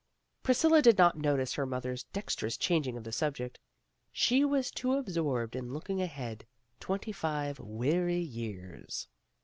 Priscilla did not notice her mother's dex trous changing of the subject. She was too PRISCILLA HAS A SECRET 97 absorbed in looking ahead twenty five weary years.